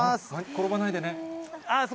転ばないでね。